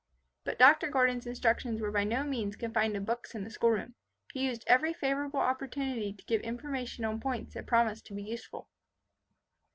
But Dr. Gordon's instructions were by no means confined to books and the school room; he used every favourable opportunity to give information on points that promised to be useful.